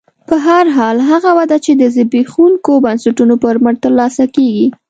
په هر حال هغه وده چې د زبېښونکو بنسټونو پر مټ ترلاسه کېږي